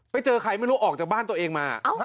ไปเจอใครไม่รู้ออกจากบ้านตัวเองมา